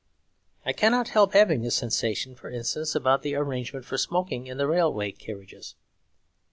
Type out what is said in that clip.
I cannot help having this sensation, for instance, about the arrangement for smoking in the railway carriages.